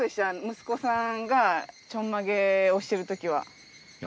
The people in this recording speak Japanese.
息子さんがちょんまげをしてるときは。